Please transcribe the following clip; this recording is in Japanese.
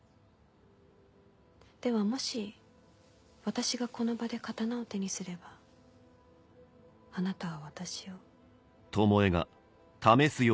ではもし私がこの場で刀を手にすればあなたは私を。